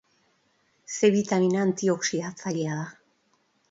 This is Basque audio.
C bitamina antioxidatzailea da.